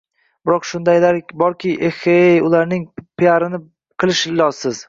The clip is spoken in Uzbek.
Biroq shundaylari borki, eheyeye, ularning piarini qilish ilojsiz.